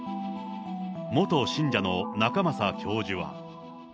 元信者の仲正教授は。